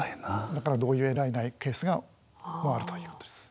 だから同意を得られないケースもあるということです。